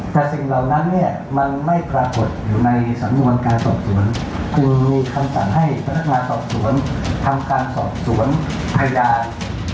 แต่สิ่งเหล่านั้นเนี่ยมันไม่ปรากฏอยู่ในสำนวนการสอบสวนคือมีคำสั่งให้พนักงานสอบสวนทำการสอบสวนพยาน